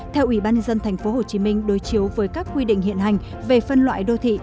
theo ủy ban nhân dân tp hcm đối chiếu với các quy định hiện hành về phân loại đô thị